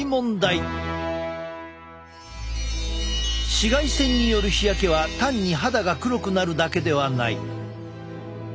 紫外線による日焼けは単に肌が黒くなるだけではない。